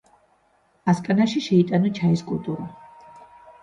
ასკანაში შეიტანა ჩაის კულტურა.